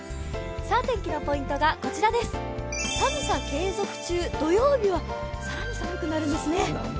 天気のポイントが、寒さ継続中土曜日は更に寒くなんですね。